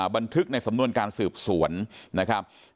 บันทึกในสำนวนการสืบสวนนะครับ